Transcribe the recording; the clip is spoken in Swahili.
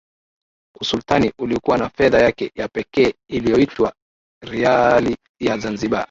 usultani ulikuwa na fedha yake ya pekee iliyoitwa Riali ya Zanzibar